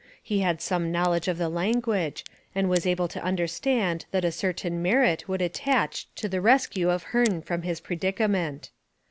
He had some knowledge of the language, and was able to understand that a certain merit would attach to the rescue of Hearne from his predicament.